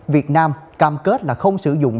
việt nam cam kết là không sử dụng